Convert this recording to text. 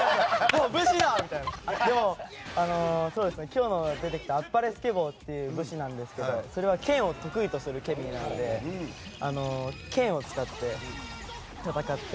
今日出てきた、あっぱれスケボーという武士ですがそれは剣を得意とするケミーなので剣を使って戦って。